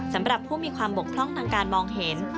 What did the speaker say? สำหรับผู้มีความบกพร่องทางการมองเห็น